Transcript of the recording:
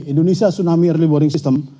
indonesia tsunami early warning system